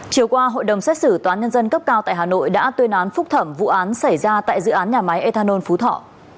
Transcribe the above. chiều qua hội đồng xét xử tòa nhân dân cấp cao tại hà nội đã tuyên án phúc thẩm vụ án xảy ra tại dự án nhà máy ethanol phú thọ